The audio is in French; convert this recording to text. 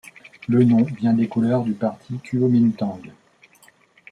Le nom vient des couleurs du parti Kuomintang.